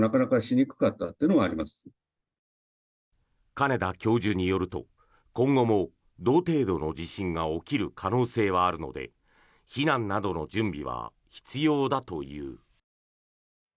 金田教授によると今後も同程度の地震が起きる可能性はあるので避難などの準備は必要だという。